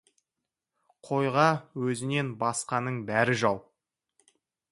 Қойға өзінен басқаның бәрі жау.